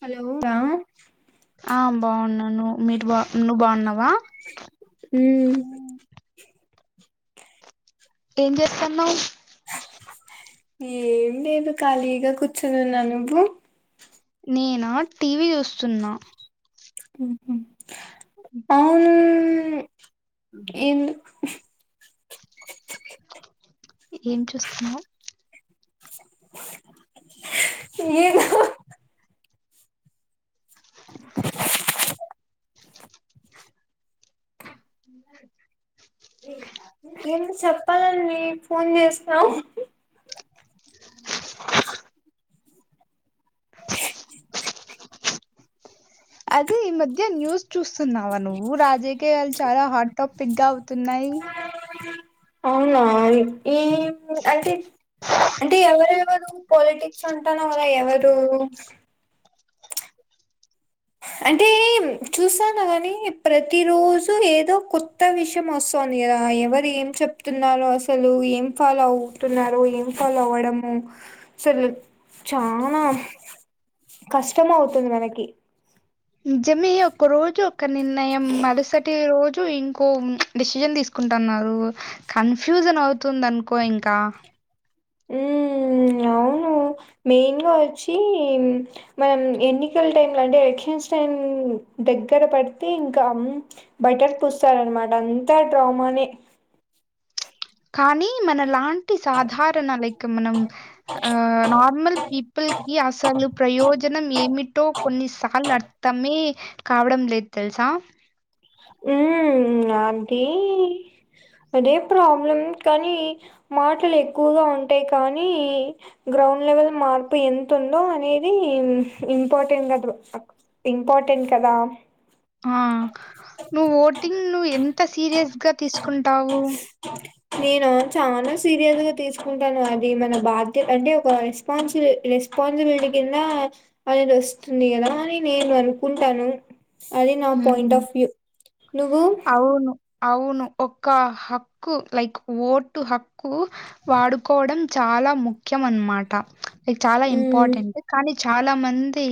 Hello రా ఆ బాగున్నా నువు మీరు బా నువ్వు బాగున్నావా మ్మ్ ఏం చేస్తాన్నావ్ ఏం లేదు ఖాళీగా కూర్చొనిన్నా నువ్వు నేనా టీవీ చూస్తున్న అవును ఏం చూస్తున్నావు ఏను ఏం చెప్పాలని ఫోన్ చేసినావ్ అదే ఈ మధ్య న్యూస్ చూస్తున్నావ నువ్వు రాజకీయాలు చాల హాట్ టాపిక్గా అవుతున్నాయి అవునా ఈ అంటే అంటే ఎవరెవరు పోలిటిక్స్ అంటావు కదా ఎవరు అంటే చూస్తాన కని ప్రతి రోజు ఏదో కొత్త విషయం వస్తుందిగ ఎవరు ఏం చెప్తున్నారో అసలు ఏం ఫాలో అవుతున్నారు ఏం ఫాలో అవ్వడమో అసలు చాన కష్టం అవుతుంది మనకి నిజమే ఒక రోజ ఒక నిర్ణయం మారుసటి రోజ ఇంకో డిసిజన్ తీసుకుంటున్నారు కన్ఫ్యూజన్ అవుతుంది అనుకో ఇంక ఉమ్ అవును మెయిన్ గా వచ్చి మనం ఎన్నికల టైమ్ లో అంటే ఎలక్షన్స్ టైం దగ్గర పడితే ఇంకా బటర్ పూస్తారనమాట అంతా డ్రామానే కానీ మన లా సాధారణ లైక్ మనం నార్మల్ పీపుల్ కి అసలు ప్రయో జనం ఏమిటో కొన్నిసార్లు అర్థమే కావడం లేదు తెలుస ఉమ్ అది అదే ప్రాబ్లం కానీ మాటలు ఎక్కువగా ఉంటాయి కానీ [unintelligible] లెవెల్ మార్పు ఎంత ఉందో అనేది ఇంపార్టెంట్ కదు ఇంపార్టెంట్ కదా ఆ నువ్ ఓటింగ్ నువ్ ఎంత సీరియస్ [unintelligible] తీసుకుంటావు నేను చానా సీరియస్గా తీసుకుంటాను అది మన బాధ్యత అంటే ఒక రెస్పాన్సి రెస్ రెస్పాన్సిబిలిటీ కింద అనేది వస్తుంది కదా అని నేను అనుకుంటాను అది నా పాయింట్ హ్మ్. ఆఫ్ వ్యూ నువ్వు అవును. అవును ఒక హక్కు లైక్ ఓటు హక్కు వాడుకోవడం చ చాల ముఖ్యం అనమాట లైక్ చాల మ్మ్ ఇంపార్టెంట్ కానీ చాల మంది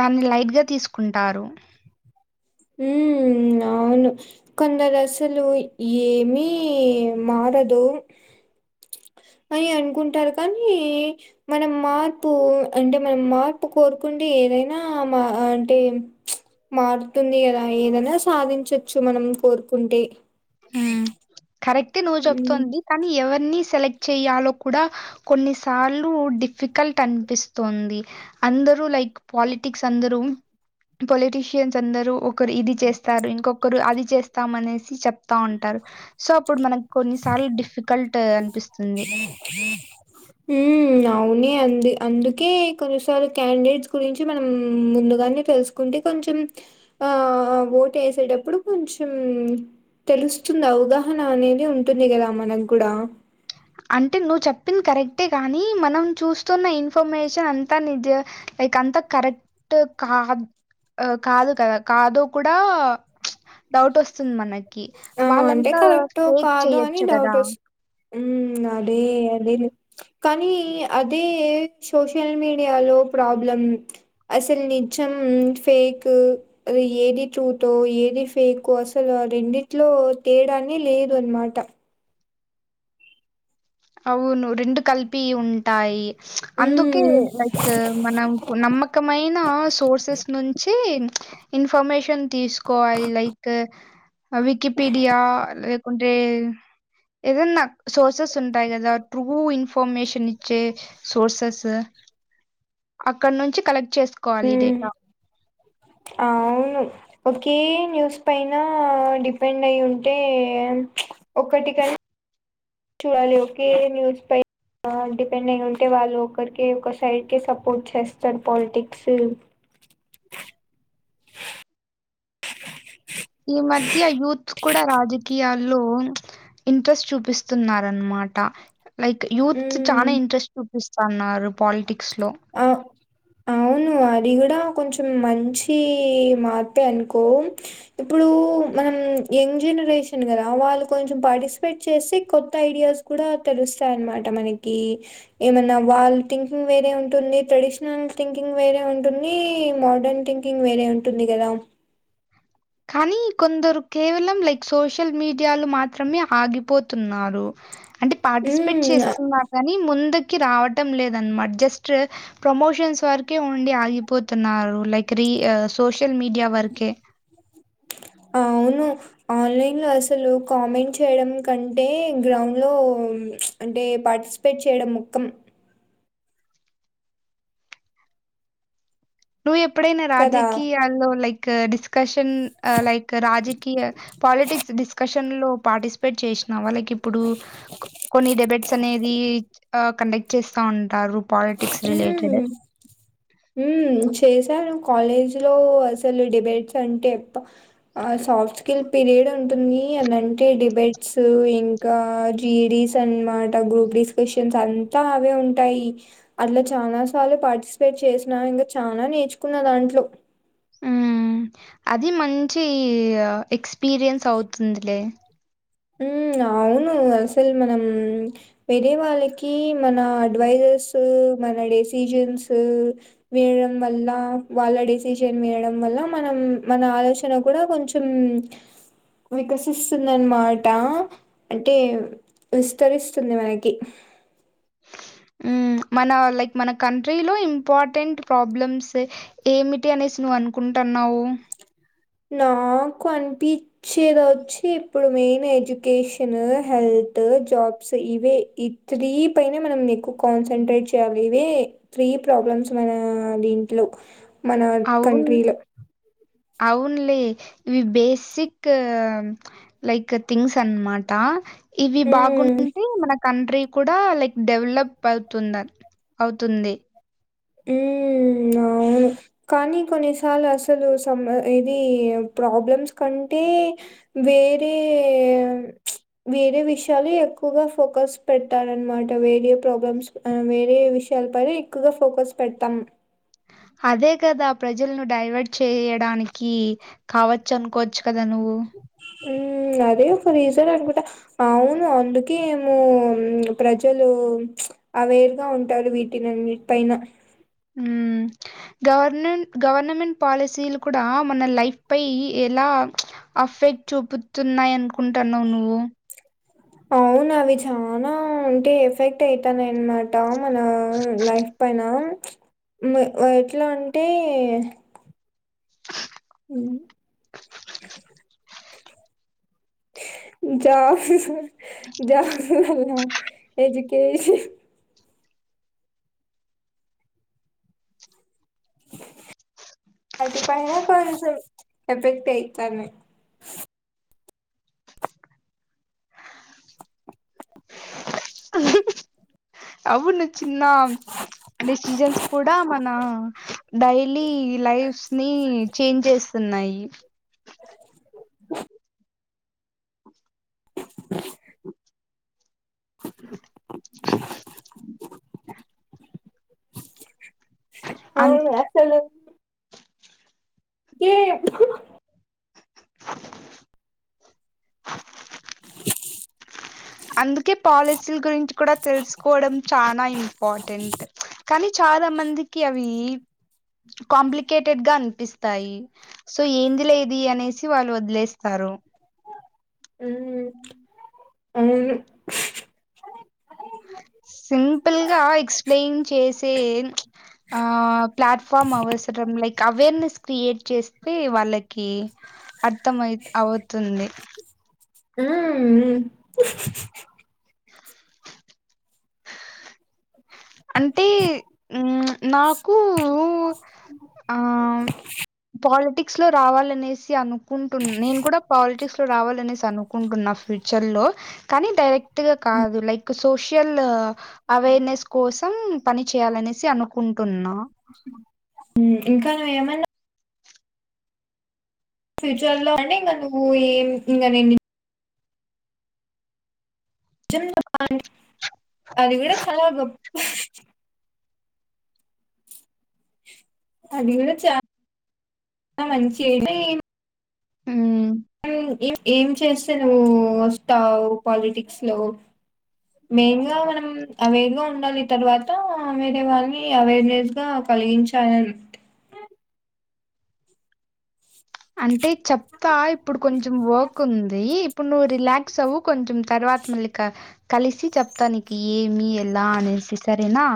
దాన్ని లైట్ గా తీసుకుంటారు ఉమ్ అవును కొందరు అసలు ఏమీ మారదు అని అనుకుంటారు కానీ మనం మార్పు అంటే మనం మార్పు కోరుకుంటే ఏదన మా అంటే మార్ ఉంటుంది కదా ఏదైన సాధించొచ్చు మనం కోరుకుంటే కరెక్ట్ ఎ నువ్వు మ్మ్ చెప్తోంది కానీ ఎవర్ [unintelligible] సెలెక్ట్ చేయాలో కూడ కొన్నిసార్లు డిఫికల్ట్ అనిపిస్తుంది అందరూ లైక్ పాలిటిక్స్ అందరూ పొలిటీషియన్స్ అందరూ ఒకరు ఇది చేస్తారు ఇంకొకరు అది చేస్తాము అనేసి చెప్తా ఉంటారు సో అప్పుడు మనక్ కొన్నిసార్లు డిఫికల్ట్ అనిపిస్ ఉ అవునే అండి అందుకే కొన్నిసార్లు క్యాండేట్స్ గురించి మనం ముందుగానే అ తెలుసుకుంటే కొంచం ఆ ఓటు వేసేటప్పుడు కొంచం తెలుస్తుంది అవగాహన అనేది ఉంటుంది కదా మనకు కూడా అంటే నువ్వు చెప్పింది కరెక్టే కానీ మనం చూస్తున్న ఇన్ఫర్మేషన్ అంతా ని గెక్ అంత కరెక్ట్ కాదు కాదు కదా కాదో కూడా డౌట్ వస్తుంది మనకి ఆ! అంటే వాళ్ళంతా కరెక్టో ఫేక్ చెయొచ్చు కదా ఉ అదే అదే కానీ అదే సోషల్ మీడియాలో ప్రాబ్లం అసలు నిజం ఫేక్ అది ఏది ట్రూత్ ఏది ఫేక్ అసలు రెండిట్లో తేడాన్ని లేదు అన్మాట అవును రెండు కలిపి ఉంటాయి అందుకే హ్మ్ లైక్ మనం నమ్మకమైన సోర్సెస్ నుంచి ఇన్ఫర్మేషన్ తీసుకోవాలి లైక్ వికీపీడియా లేకు టె ఏదన్నా సోసస్ ఉంటాయి కదా ట్రూ ఇన్ఫర్మేషన్ ఇచ్చే సోర్సెస్ అక్కడ నుంచి కలెక్ట్ చేసుకోవాలి డేటా ఆ అవు ఒకే న్యూస్ పైన డిపెండ్ అయి ఉంటే ఒక్కటిక చూడాలి ఓకే న్యూస్ పై ఆ డిపెండ్ అయి ఉంటే వాళ్ళు ఒకరికి ఒక సైడ్కి సపోర్ట్ చేస్తారు పాలిటిక్స్ ఈ మధ్య యూత్ కూడా రాజకీయాల్లో ఇంట్రెస్ట్ చూపిస్తున్నారనమాట లైక్ యూత్ హ్మ్ చాలా ఇంట్రెస్ట్ చూపిస్తున్నారు పాలిటిక్ ఆ ను అది కూడా కొంచం మంచి మార్పే అనుకో ఇప్పుడు మనం యంగ్ జనరేషన్ కదా వాళ్ళు కొంచం పార్టిసిపేట్ చేసి కొత్త ఐడియాస్ కూడా తెలుస్తా చాయినమాట మనకి ఏమన్నా వాళ్ళ థింకింగ్ వేరే ఉ ఉంటుంది ట్రెడిషనల్ థింకింగ్ వేరే ఉంటుంది మోడర్న్ థింకింగ్ వేరే ఉంటుంది కదా కానీ కొందరు కేవలం లైక్ సోషల్ మీడియాలు మాత్రమే ఆగిపోతున్నారు అంటే పార్టిసిపేట్ హ్మ్. చేస్తున్నారు కానీ ముందు కి రావటం లేదనమాట జస్ట్ ప్రమోషన్స్ వరకే ఉండి ఆగిపోతున్నారు లైక్ రి సోషల్ మీడియా వరికె అవును ఆన్లైన్ లో అసలు కామెంట్ చేయడం కంటే గ్రౌండ్ లో అంటే పార్టిసిపేట్ చేయడం ముఖ్యం నువ్వు ఎప్పుడైనా కదా! రాజకీయాల్లో లైక్ డిస్కషన్ లైక్ రాజకీయ పాల్ టిక్స్ డిస్కషన్ లో పార్టిసిపేట్ చేసి వాళ్ళకి ఇప్పుడు కొన్ని డెబేట్స్ అనేది కండక్ట్ చేస్తా ఉంటారు పాలిటిక్స్ రిలేటెడ్ ఉమ్ చేశాను కాలేజ్ లో అసలు డిబేట్స్ అంటే సాఫ్ట్ స్కిల్ పిరియడ్ ఉంటుంది ఎదంటే డిబెట్స్ ఇంకా జీడీస్ అనమ గ్రూప్ డిస్కషన్స్ అంతా అవే ఉంటాయి అట్లా చాలా సార్లు పార్టిసిపేట్ చేసిన ఇంకా చాలా నేర్చుకున్న దాంట్లో మ్ అది మంచి ఎక్స్పీరియన్స్ అవుతుందిలే మ్ అవును అసలు మనం వేరే వాళ్ళకి మన అడ్వైజ్ వేస్సు మన డెసిజన్స్ వేయడం వల్ల వాళ్ళ డెసిజన్ వేయడం వల్ల మనం మన ఆలోచన కూడా కొంచెం వికసిస్తుందన్నమాట్ ట్ట అంటే విస్తరిస్తుంది మనకి మ్మ్ మన లైక్ మన కంట్రీలో ఇంపార్టెంట్ ప్రాబ్లమ్స్ ఏమిటి అనేసి నువ్వు అనుకుంటా అన్నావు నాకు అనిపించేది వచ్చి ఇప్పుడు మెయిన్ ఎడ్యుకేషను హెల్ ఇటు జాబ్స్ ఇవే ఇ త్రి పైనే మనం ఎక్కువ కన్సంట్రెట్ చేయాలి ఇవే త్రి ఇ ప్రాబ్లమ్స్ మనా దీంట్లో మన అవును కంట్రీలో అవునులే ఇవి బేసిక్ లైక్ థింగ్స్ అనమాట ఇవి హ్మ్ బాగుంటే మన కంట్రీ కూడా లైక్ డెవలప్ అవుతుందన్ అవుతుంది మ్ అ [inaudible] కానీ కొన్నిసార్లు అసలు సమ్మ ఇది ప్రాబ్లమ్స్ కంటే వే వేరే వేరే విషయాలు ఎక్కువగా ఫోకస్ పెట్టారనమాట వేరే ఏ ప్రాబ్లమ్స్ వేరే విషయాల పైన ఎక్కువగా ఫోకస్ పెట్టాం అదే కదా ప్రజలను డైవర్ట్ చేయడానికి కావచ్చు అనుకోవచ్చు కద [inaudible] ఉమ్మ్ అదే ఒక రీజన్ అనుకుంటా అవును అందుకే ఎమో మ్ ప్రజలు మ్మ్ అవేర్ గా ఉంటారు వీటిని అన్నింటి పైన మ్మ్ గవర్ననన్ గవర్నమెంట్ పాలసీలు కూడా మన లైఫ్ పై ఎలా అఫ్ ఫెక్ట్ చూపుతున్నాయి అనుకుంటన్నావ్ నువ్వు అవును అవి చానా ఉంటే ఎఫెక్ట్ అయితనయ్ అనమాట మన లైఫ్ పైన ఎట్ల మ్ మ్ ఎట్లా అంటే మ్ జా జాబ్స్ పైన ఎడ్యుకేషన్ [inaudible] అటిపైన కొంచెం ఎఫెక్ట్ ఐతన్నాయి అవును చిన్న డెసిషన్స్ కూడా డా మన డైలీ లైఫ్స్ ని చేంజ్ చేస్తున్నాయి [inaudible] [inaudible] అన్ అవునా అస్సలు ఏ ఎందుకు [inaudible] [inaudible] అందుకే పాలసీల గురించి కూడా తెలుసుకోవడం చానా ఇంపార్టెంట్ కానీ చ ఆదా మందికి అవి కాంప్లికేటెడ్గా అనిపిస్తాయి సో ఏందిలె ఇది అనేసి వాళ్ళు వదిలేస్తారు నో మ్మ్ లన్ అవును సింపుల్గా ఎక్స్ప్లెయిన్ చేసే అ ప్లాట్ఫామ్ అవసరం లైక్ అవేర్నెస్ క్రియేట్ చేస్తే వాళ్ళకి అర్థమై అవుతుంది అంటే నాకు ఆ పాలిటిక్స్ లో రావాలనేసి అనుకుంటున్ నేను కూడా పాలిటిక్స్ లో రావాలనేసి అనుకుంటున్నా. ప్యుచర్లో లో కానీ డైరెక్ట్ గ కాదు లైక్ సోషల్ అవెర్నెస్ కోసం పని చేయాలనేసి అనుకుంటున్నా. ఇంకా ఏమైన్నా ఫ్యూచర్ లో అంటే ఇంకా నువ్వు ఏం ఇంకా న జ అది విడ చాలగా అది కూడా చ చ మంచి మ్మ్ ఇ ఏం చేస్తా నువ్వు వస్తా పాలిటిక్స్ లో మెయిన్ గా మనం అవేర్గా ఉండాలి తర్వాత మ వేరే వాళ్ళని అవేర్నెస్ గా కలిగించాలని అంటే చెప్తా ఇప్పుడు కొంచెం వర్క్ ఉంది. ఇప్పుడు నువ్వు రిలాక్స్ అవవు కొంచెం తర్వాత మళ్ళీ కలిసి చెప్తా ననికి ఏమి ఎలా అనేసిస్త సరేనా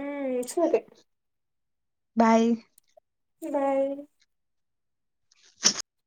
ఉ సరే బాయ్ బయ్